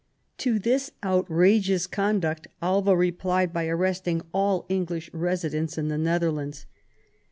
To this outrageous conduct Alva replied by arresting all English residents in the Netherlands.